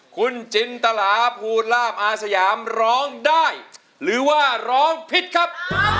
คุณจินตลาภูลาบอาสยามร้องได้หรือว่าร้องผิดครับ